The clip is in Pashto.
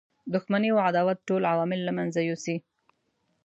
دښمنی او عداوت ټول عوامل له منځه یوسي.